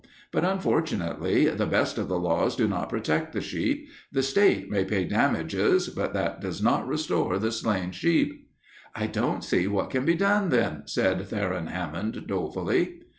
But unfortunately the best of the laws do not protect the sheep. The state may pay damages, but that does not restore the slain sheep." "I don't see what can be done, then," said Theron Hammond, dolefully.